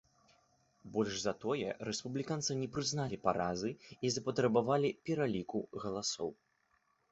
Больш за тое, рэспубліканцы не прызналі паразы і запатрабавалі пераліку галасоў.